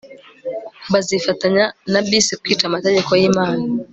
bazifatanya nabisi kwica amategeko yImana